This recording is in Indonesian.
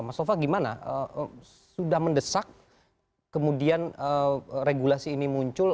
mas sofa gimana sudah mendesak kemudian regulasi ini muncul